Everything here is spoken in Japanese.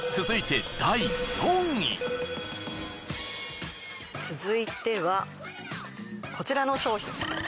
続いてはこちらの商品。